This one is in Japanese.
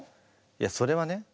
いやそれはね